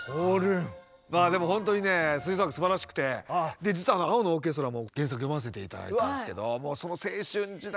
まあでも本当にね吹奏楽すばらしくて実は「青のオーケストラ」も原作読ませて頂いたんですけどもう青春時代のね。